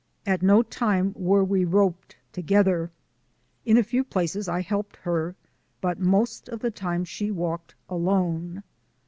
At no time were we roped together. In a few places I helped her, but most of the time she walked alone.